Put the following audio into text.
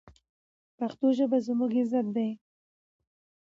پښتو ژبه زموږ عزت دی.